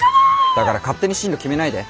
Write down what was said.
だから勝手に進路決めないで。